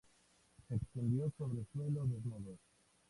Se extiende sobre suelos desnudos.